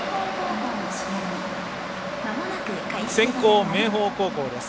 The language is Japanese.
先攻、明豊高校です。